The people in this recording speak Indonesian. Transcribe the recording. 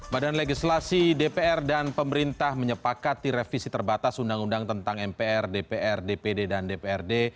badan legislasi dpr dan pemerintah menyepakati revisi terbatas undang undang tentang mpr dpr dpd dan dprd